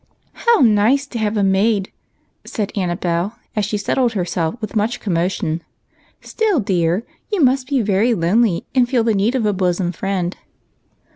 " How nice to have a maid !" said Annabel, as she settled herself with much commotion. " Still, dear, you must be very lonely, and feel the need of a bosom friend."